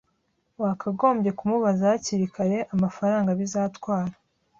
Wakagombye kumubaza hakiri kare amafaranga bizatwara